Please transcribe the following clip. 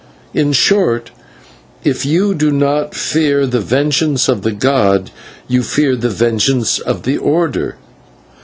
In short, if you do not fear the vengeance of the god, you fear the vengeance of the Order."